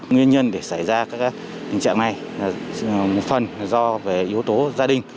nguyên nhân để xảy ra các tình trạng này là một phần là do về yếu tố gia đình